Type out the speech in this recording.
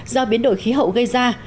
do biến đổi khí hậu gây ra